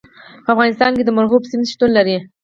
په افغانستان کې د مورغاب سیند شتون لري.